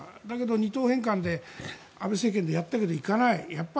だけど２島返還で安倍政権でやったけどいかない。